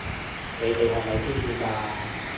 你哋係咪癡線㗎！